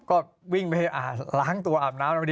ก็วิ่งไปล้างตัวอาบน้ำ